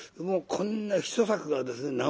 もうこんな１柵がですね